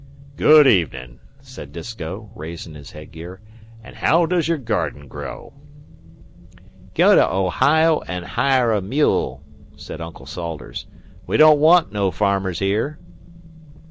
"Good evenin'," said Disko, raising his head gear, "an' haow does your garden grow?" "Go to Ohio an' hire a mule," said Uncle Salters. "We don't want no farmers here."